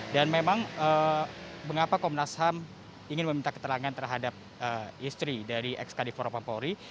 dan memang mengapa komnas ham ingin meminta keterangan terhadap istri dari ex kadifor pampori